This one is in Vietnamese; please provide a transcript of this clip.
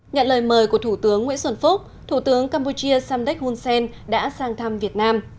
nhận lời mời của thủ tướng nguyễn xuân phúc thủ tướng campuchia samdek hun sen đã sang thăm việt nam